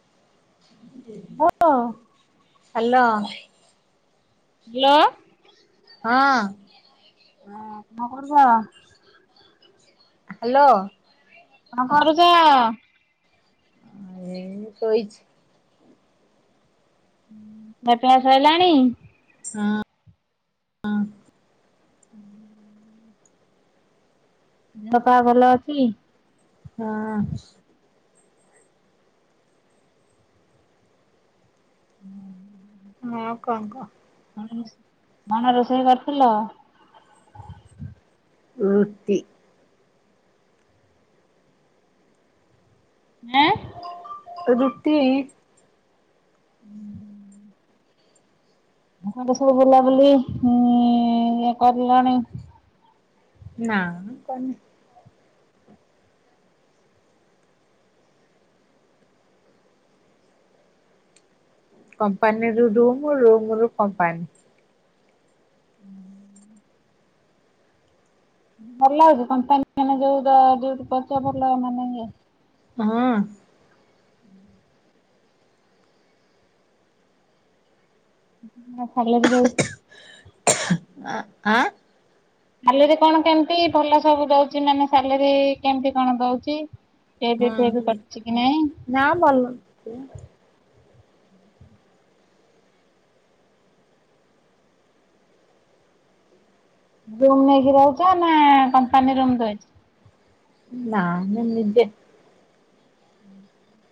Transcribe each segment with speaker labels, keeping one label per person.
Speaker 1: [unintelligible]
Speaker 2: Hello.
Speaker 1: Hello.
Speaker 2: ହଁ।
Speaker 1: ହଁ କଣ କରୁଚ।
Speaker 2: ହାଲୋ।
Speaker 1: କଣ କରୁଚ।
Speaker 2: ଏ ଶୋଇଚି।
Speaker 1: [unintelligible] ସଇଲାଣି।
Speaker 2: ହଁ ହଁ।
Speaker 1: ହୁଁ। ଦେହପା ଭଲ ଅଛି?
Speaker 2: ହଁ
Speaker 1: ହୁଁ।
Speaker 2: ନାଇଁ ଆଉ କଣ କୁହ।
Speaker 1: କଣ ରୋଷେଇ କରିଥିଲ?
Speaker 2: ରୁଟି।
Speaker 1: ଆଁ।
Speaker 2: ରୁଟି।
Speaker 1: ହୁଁ। ତମେ ତ ସବୁ ବୁଲାବୁଲି ଇଁ କରିଲଣି।
Speaker 2: ନା। କମ୍ପାନୀରୁ ରୁମ ରୁମରୁ କମ୍ପାନୀ।
Speaker 1: ଭଲ ଲାଗୁଛି କମ୍ପାନୀ ମାନେ ଯୋଉ ଦ ଯୋଉ ପଚ ଭଲ ମାନେ ଇଏ।
Speaker 2: ହଁ।
Speaker 1: ହୁଁ ନା ସାଲେରୀ ରହିଚି।
Speaker 2: ଆ ଆଁ।
Speaker 1: ସାଲେରୀ କଣ କେମତି ଭଲ ସବୁ ଦଉଚି ନାନା ସାଲେରୀ କେମିତି କଣ ଦଉଚି? ପି ଏଫ୍ ଫେପ୍
Speaker 2: ହଁ
Speaker 1: କଟୁଚି କି ନାଇଁ?
Speaker 2: ନା ଭଲ
Speaker 1: ରୁମ୍ ନେଇକି ରହୁଚ ନା କମ୍ପାନୀ ରୁମ୍ ଦଉଚି।
Speaker 2: ନା ମୁଁ ନିଜେ।
Speaker 1: ହୁଁ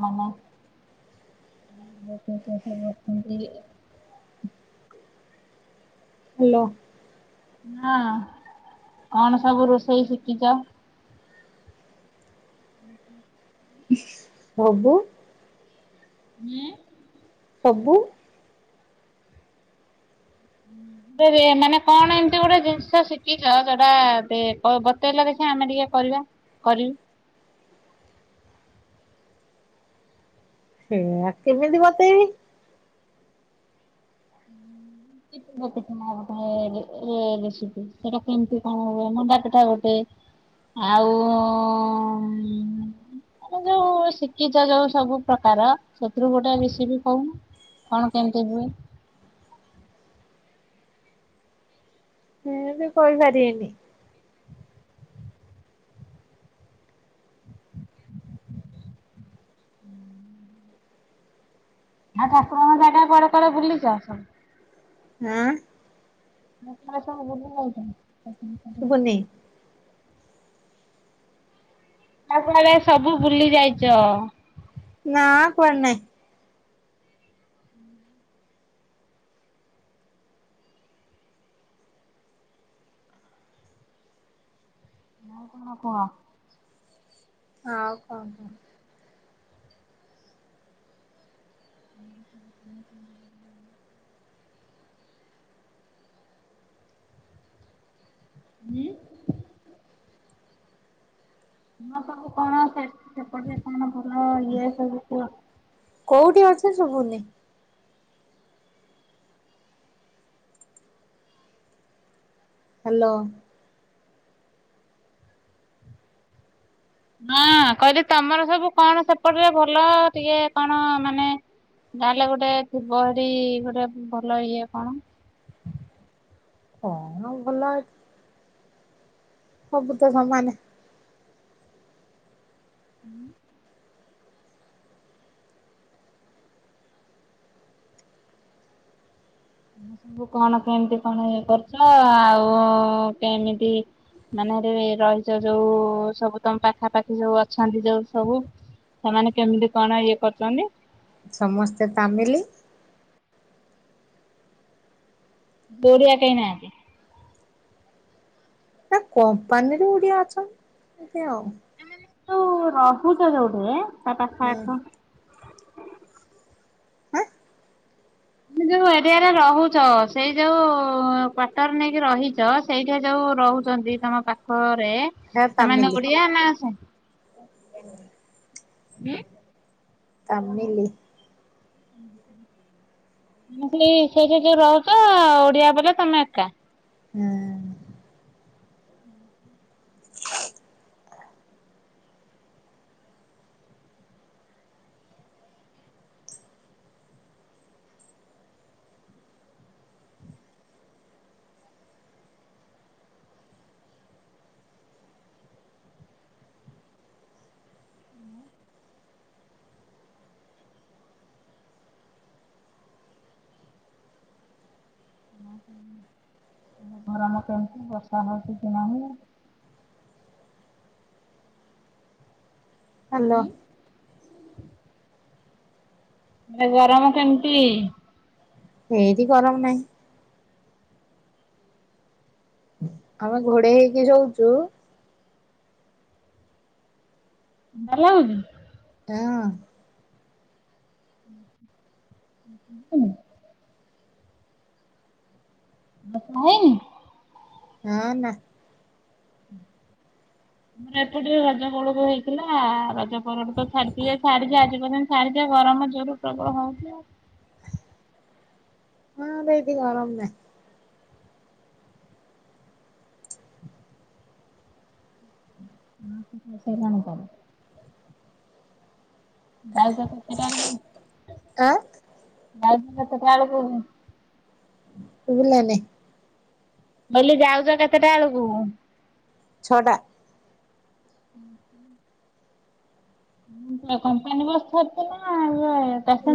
Speaker 1: ହଁ। କିଏ କିଏ [unintelligible]
Speaker 2: ହାଲୋ।
Speaker 1: ହଁ କଣ ସବୁ ରୋଷେଇ ଶିଖିଚ?
Speaker 2: ସବୁ।
Speaker 1: ହଁ।
Speaker 2: ସବୁ।
Speaker 1: ଫେରେ ମାନେ କଣ ଏମିତି ଗୋଟେ ଜିନିଷ ଶିଖିଚ ଯୋଉଟା ଦେ ବ-ବତେଇଲା ଦେଖିବା ଆମେ ଟିକେ କରିବା କରିବି।
Speaker 2: ସେୟା କେମିତି ବତେଇବି?
Speaker 1: ହୁଁ। [unintelligible] ରେ ରେସିପି ସେଟା କେମିତି କଣ ହୁଏ ମଣ୍ଡା ପିଠା ଗୋଟେ ଆଉ ଆମେ ଯୋଉ ଶିକିଚ ଯୋଉ ସବୁ ପ୍ରକାର ସେଥିରୁ ଗୋଟେ ରେସିପି କହୁନୁ। କଣ କେମିତି ହୁଏ?
Speaker 2: ହେନ୍ତି କହିପାରିବିନି।
Speaker 1: ହୁଁ। ଆଉ ଠାକୁରଙ୍କ ଜାଗା କୁଆଡେ କୁଆଡେ ବୁଲିଚ ସବୁ?
Speaker 2: ଆଁ?
Speaker 1: [unintelligible] ଯାଇଛ?
Speaker 2: ଶୁଭୁନି।
Speaker 1: ତାପରେ ସବୁ ଭୁଲି ଯାଇଛ।
Speaker 2: ନାଁ କୁଆଡେ ନାଇ।
Speaker 1: [unintelligible]
Speaker 2: ଓହ।
Speaker 1: [unintelligible] ହୁଁ। ମୁ ସବୁ କଣ ସେ ସେପଟେ କଣ ଭଲ ଇଏ ସବୁ କଣ?
Speaker 2: କୋଉଠି ଅଛ ଶୁଭୁନି। ହ୍ୟାଲୋ।
Speaker 1: ହଁ କହିଲି ତମର ସବୁ କଣ ସେପଟରେ ଭଲ ଟିକେ କଣ ମାନେ। ତାହେଲେ ଗୋଟେ ଯ ଥିବ ହେରି ଗୋଟେ ଭଲ ଇଏ କଣ।
Speaker 2: କଣ ଭଲ। ସବୁ ତ ସମାନେ।
Speaker 1: [unintelligible] ତ ସବୁ କଣ କେମିତି କଣ ଇଏ କରୁଛ ଆଉ କେମିତି? ମାନେ ରେ ରହିଛ ଯୋଉ ସବୁ ତମ ପାଖାପାଖି ଯୋଉ ଅଛନ୍ତି ଯୋଉ ସବୁ। ସେମାନେ କେମିତି କଣ ଇଏ କରୁଛନ୍ତି?
Speaker 2: ସମସ୍ତେ ତାମିଲି।
Speaker 1: ଦୌରଆ କେହି ନାହାନ୍ତି।
Speaker 2: ନା କମ୍ପାନୀରୁ କିଏ ଅଛନ୍ତି ଆଉ।
Speaker 1: ତୁ ରହୁଛ ଯୋଉଠି ହେଁ ତା
Speaker 2: ହୁଁ
Speaker 1: ପାଖଆଖ।
Speaker 2: ହୁଁ।
Speaker 1: ମାନେ ଯୋଉ ଏରିଆରେ ରହୁଚ ସେଇ ଯୋଉ କ୍ଵଟର ନେଇକି ରହିଚ ସେଇଠେ ଯୋଉ ରହୁଚନ୍ତି ତମ ପାଖରେ
Speaker 2: ହେ
Speaker 1: ସେମାନେ ଓଡିଆ ନା ସେ
Speaker 2: ଏମିନି
Speaker 1: ଉଁ
Speaker 2: ତାମିଲି।
Speaker 1: ଉଁ ହୁଁ। ମୁଁ କଇଲି ସେଏଠେ ଯୋଉ ରହୁଚ ଓଡିଆ ପିଲା ତମେ ଏକା।
Speaker 2: ହୁଁ।
Speaker 1: ଅହଁ ଗରମ କେମିତି ବର୍ଷା ହଉଚି କି ନାହିଁ
Speaker 2: ହ୍ୟାଲୋ
Speaker 1: ଉଁ ଏ ଗରମ କେମତି?
Speaker 2: ହେନ୍ତି ଗରମ ନାହିଁ। ଆମେ ଘୋଡେ ହେଇକି ସୋଉଚୁ।
Speaker 1: ଭଲ ଲାଗୁନି?
Speaker 2: ହୁଁ।
Speaker 1: [inaudible] [unintelligible]
Speaker 2: ହଁ ନା
Speaker 1: ଏପଟ ଟିକେ ରଜ ବୋଳକୁ ହେଇଥିଲା ରଜ ପରଠୁ ସାରିଚି ଏ ଆଜି ପର୍ଯ୍ୟନ୍ତ ସାରିଯ ଗରମ ଜରୁର ପ୍ରଗ ହଉ କି [unintelligible]
Speaker 2: ହଁ [unintelligible] ଗରମ ନାହିଁ।
Speaker 1: ଆ ସେ [unintelligible] କଣ? [unintelligible]
Speaker 2: ଆଁ
Speaker 1: ଟାଇମ କେତେ ଟା [unintelligible]
Speaker 2: ସୁଭିଲାନି।
Speaker 1: ମୁଁ କଇଲେ ଯାଉଛ କେତେଟା ବେଳକୁ?
Speaker 2: ଛଟା
Speaker 1: ହୁଁହୁଁ। କମ୍ପାନୀ ବସଛି ନା ଇଏ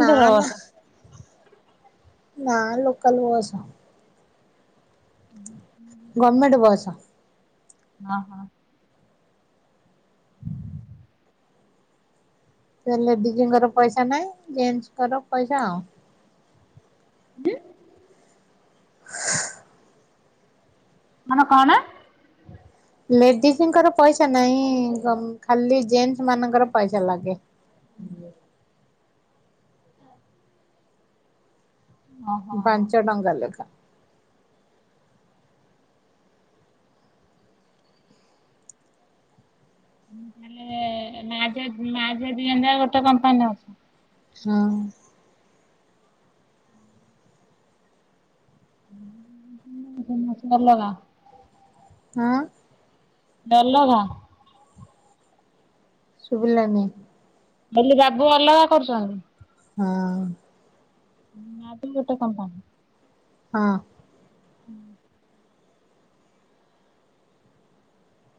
Speaker 2: ନା ନା
Speaker 1: ବସ।
Speaker 2: ନା ଲୋକାଲ ବସ।
Speaker 1: [inaudible]
Speaker 2: ଗର୍ମେଣ୍ଟ ବସ।
Speaker 1: ହଁ ହଁ।
Speaker 2: ସେ ଲେଡିଜଙ୍କର ପଇସା ନାହିଁ। ଜେଣ୍ଟସଙ୍କର ପଇସା ଆଉ।
Speaker 1: ହୁଁ।
Speaker 2: [unintelligible]
Speaker 1: ମାନେ କଣ?
Speaker 2: ଲେଡିଜଙ୍କର ପଇସା ନାହିଁ ଗମ ଖାଲି ଜେଣ୍ଟସ ମାନଙ୍କର ପଇସା ଲାଗେ। ହୁ।
Speaker 1: ଓହୋ
Speaker 2: ପାଞ୍ଚ ଟଙ୍କା ଲେଖା।
Speaker 1: ତାହାଲେ ମା ଝିଅ ମା ଝିଅ ଦି ଜନ ଯାକ ଗୋଟେ କମ୍ପାନୀ ରେ ଅଛ।
Speaker 2: ହଁ।
Speaker 1: [unintelligible] ଅଲଗା।
Speaker 2: ହଁ।
Speaker 1: ଅଲଗା।
Speaker 2: ଶୁଭିଲାନି।
Speaker 1: ବଇଲି ବାବୁ ଅଲଗା କରୁଛନ୍ତି।
Speaker 2: ହଁ।
Speaker 1: ବାବୁ ଗୋଟେ କମ୍ପାନୀ।
Speaker 2: ହଁ।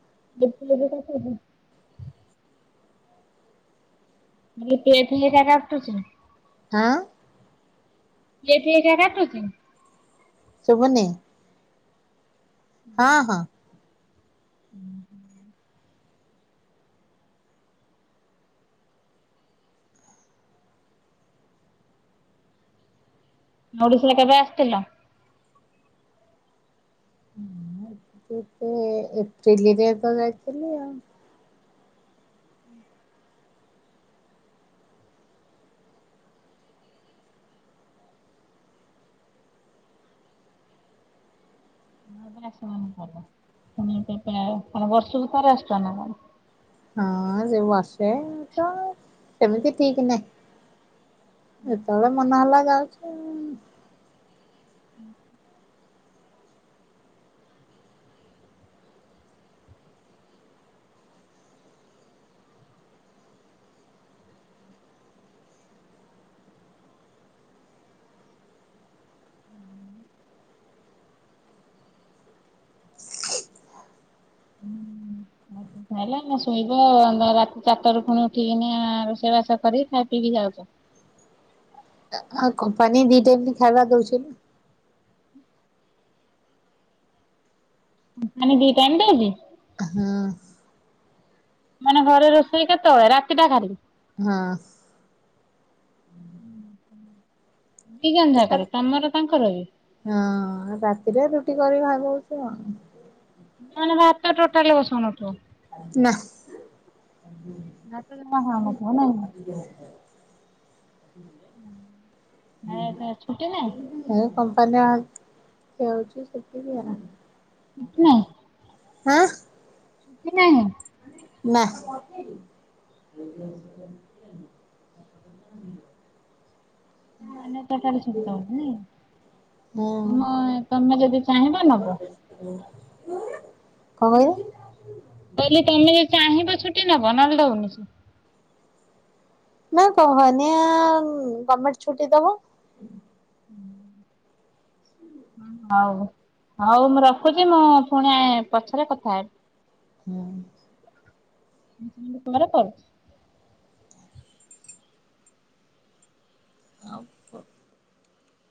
Speaker 1: [unintelligible] ମୁଁ କହିଲି ପିଏ ଫିଏ [unintelligible] କାଟୁଚି ନା?
Speaker 2: ହଁ।
Speaker 1: ପିଏ ଫିଏ ହେରିକା [unintelligible] କାଟୁଚି?
Speaker 2: ଶୁବୁନି। ହଁ ହଁ।
Speaker 1: ହୁଁ ହୁଁ। ଓଡିଶା କେବେ ଆସିଥିଲ? [unintelligible]
Speaker 2: ଏ ଏପ୍ରିଲରେ ତ ଯାଇଥିଲି ଆଉ।
Speaker 1: ତାପରେ ଆସିନ [unintelligible] ଆଉ [unintelligible] ବର୍ଷ କୁ ଥରେ ଆସୁଚ ନା କଣ?
Speaker 2: ହଁ ଯୋଉ ଆସେ ତ ସେମିତି ଠିକ୍ ନାହିଁ। ଯେତେବେଳେ ମନ ହେଲା ଯାଉଚି।
Speaker 1: ଉଁହୁଁ। ହୁଁ। ଏ ଖାଇଲ ଏଇନା ଶୋଇବ ରା-ରାତି ଚାରିଟାରୁ ଫୁଣି ଉଠିକିନା ଆ ରୋଷେଇ ବାସ କରି ଖାଇ ପିଇକି ଯାଉଚ।
Speaker 2: ଆ କମ୍ପାନୀ ଦିଇ ଟାଇମ୍ ବି ଖାଇବା ଦଉଚି ନା।
Speaker 1: କମ୍ପାନୀ ଦି ଟାଇମ ଦଉଚି?
Speaker 2: ହଁ।
Speaker 1: ମାନେ ଘରେ ରୋଷେଇ କେତେବେଳେ ରାତିଟା ଖାଲି?
Speaker 2: ହଁ।
Speaker 1: ହୁଁ ହୁଁ
Speaker 2: ଆରେ ହଁ ରାତିରେ ରୁଟି କରି ଖାଇବୁ। ବୁ ଆଉ।
Speaker 1: ନହେନେ ଭାତ ଟୋଟାଲି ବସଉନଥବ?
Speaker 2: ନା।
Speaker 1: ଭାତ ଜମା ଖାଉନଥିବ ନାଇଁ? ହୁଁ
Speaker 2: ଏ କମ୍ପ ମ୍ପାନୀ ଆ ଯାଉଛି ସେଠିକି ଆଉ।
Speaker 1: ନାଇଁ।
Speaker 2: ଆଁ
Speaker 1: କି ନାହିଁ?
Speaker 2: ନା।
Speaker 1: ତମ ତମେ ଯଦି ଚାହିଁବ ନବ।
Speaker 2: କଣ କହିଦ?
Speaker 1: କହିଲି ତମେ ଯଦି ଚାହିଁବ ଛୁଟି ନବ ନହେଲେ ଦଉନି।
Speaker 2: ନା କହନି ଆଉ ଗମେଣ୍ଟ ଛୁଟି ଦବ।
Speaker 1: ହଉ ହଉ ହଉ ମୁଁ ରଖୁଛି ମୁଁ ଫୁଣି ପଛରେ କଥା ହେବି।
Speaker 2: ହୁଁ।
Speaker 1: [unintelligible] ପରେ କରୁଚି।
Speaker 2: ଆଉ ପ